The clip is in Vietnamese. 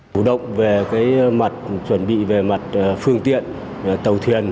chủ động về mặt chuẩn bị về mặt phương tiện tàu thuyền